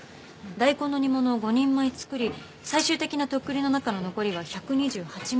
大根の煮物を５人前作り最終的なとっくりの中の残りは１２８ミリリットル。